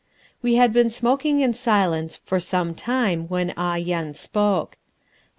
We had been smoking in silence for some time when Ah Yen spoke.